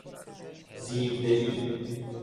زیردلی